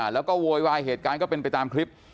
แล้วก็โวยวายเหตุการณ์ก็เป็นไปตามคลิป